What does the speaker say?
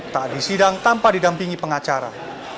tak disidang tanpa didampingi pengacara